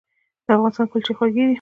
د افغانستان کلچې خوږې دي